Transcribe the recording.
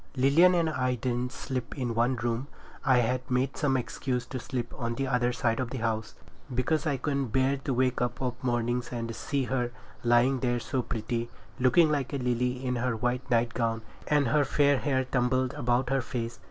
Lilian and I didn't sleep in one room now. I had made some excuse to sleep on the other side of the house, because I couldn't bear to wake up of mornings and see her lying there so pretty, looking like a lily in her white nightgown and her fair hair all tumbled about her face.